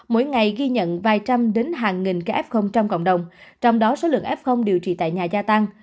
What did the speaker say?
mỗi ngày ghi nhận vài trăm đến hàng nghìn ca f trong cộng đồng trong đó số lượng f điều trị tại nhà gia tăng